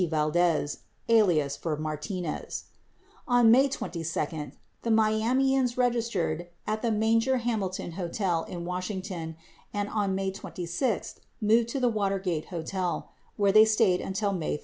Valdes (alias for Martinez). 27 On May 22, the Miamians registered at the Manger Hamilton Hotel in Wash ington and, on May 26, moved to the Watergate Hotel, where they stayed until May 30.